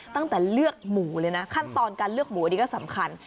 ตั้งแต่เลือกหมูเลยนะขั้นตอนการเลือกหมูอันนี้ก็สำคัญ